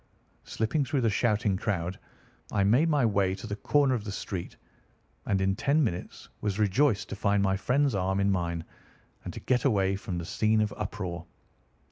Slipping through the shouting crowd I made my way to the corner of the street, and in ten minutes was rejoiced to find my friend's arm in mine, and to get away from the scene of uproar.